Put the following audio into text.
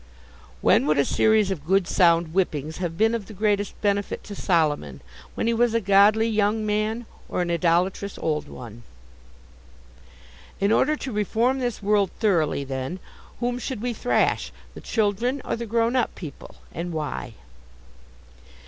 When would a series of good sound whippings have been of the greatest benefit to Solomon, when he was a godly young man, or an idolatrous old one? In order to reform this world thoroughly, then, whom should we thrash, the children or the grown up people? And why?